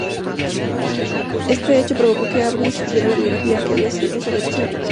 Este hecho provocó que Abreu destruyera la biografía que había escrito sobre dicha religiosa.